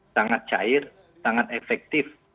sangat cair sangat efektif